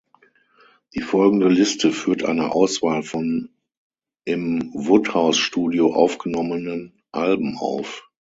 Die folgende Liste führt eine Auswahl von im Woodhouse Studio aufgenommenen Alben auf.